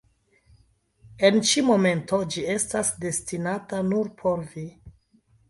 En ĉi momento ĝi estas destinata nur por vi.